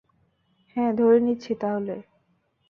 হ্যাঁ ধরে নিচ্ছি তাহলে।